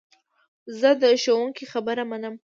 زه د ښوونکو خبره منم.